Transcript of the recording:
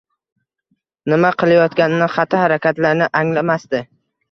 Nima qilayotganini, xatti harakatlarini anglamasdi